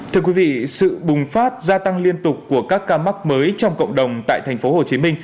thưa quý vị sự bùng phát gia tăng liên tục của các ca mắc mới trong cộng đồng tại tp hcm